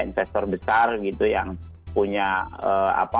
investor besar gitu yang punya apa